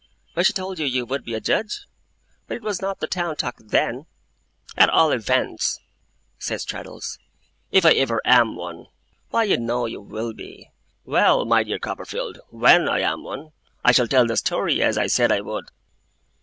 'When she told you you would be a judge? But it was not the town talk then!' 'At all events,' says Traddles, 'if I ever am one ' 'Why, you know you will be.' 'Well, my dear Copperfield, WHEN I am one, I shall tell the story, as I said I would.